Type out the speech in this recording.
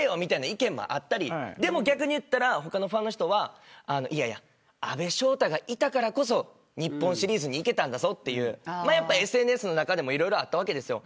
意見もあったり他のファンの人は阿部翔太がいたからこそ日本シリーズに行けたんだというＳＮＳの中でもいろいろあったわけですよ。